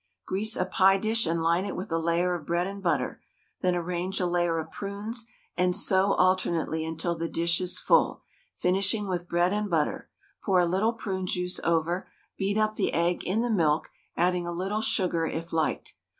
Grease a pie dish and line it with a layer of bread and butter, then arrange a layer of prunes, and so alternately until the dish is full, finishing with bread and butter; pour a little prune juice over, beat up the egg in the milk, adding a little sugar if liked.